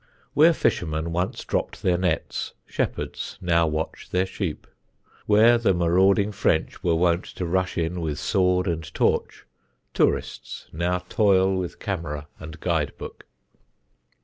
Where fishermen once dropped their nets, shepherds now watch their sheep; where the marauding French were wont to rush in with sword and torch, tourists now toil with camera and guide book.